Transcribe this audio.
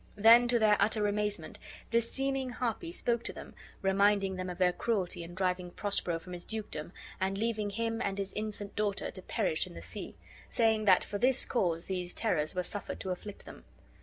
Then, to their utter amazement, this seeming harpy spoke to them, reminding them of their cruelty in driving Prospero from his dukedom, and leaving him and his infant daughter to perish in the sea, saying, that for this cause these terrors were suffered to afflict them.